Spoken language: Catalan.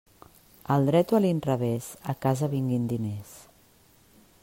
Al dret o a l'inrevés, a casa vinguin diners.